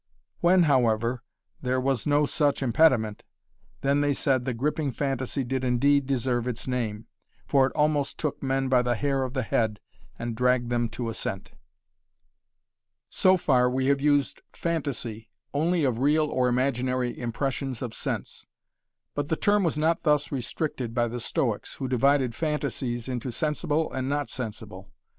When, however, there was no such impediment, then they said the gripping phantasy did indeed deserve its name, for it almost took men by the hair of the head and dragged them to assent. So far we have used "phantasy" only of real or imaginary impressions of sense. But the term was not thus restricted by the Stoics, who divided phantasies into sensible and not sensible.